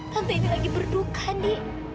tante ini lagi berduka ndi